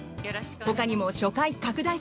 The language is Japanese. ほかにも初回拡大